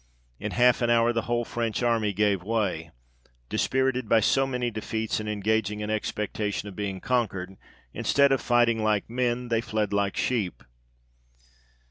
In half an hour, the whole French army gave way : dispirited by so many defeats, and engaging in expectation of being conquered, instead of fighting like men, they fled like sheep.